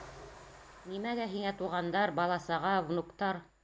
Нимәгә һиңә туғандар, бала-саға, внуктар?